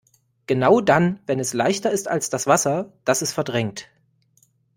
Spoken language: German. Genau dann, wenn es leichter ist als das Wasser, das es verdrängt.